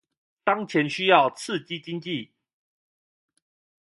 當前需要刺激經濟